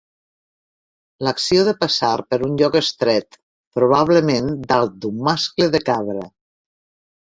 L'acció de passar per un lloc estret, probablement dalt d'un mascle de cabra.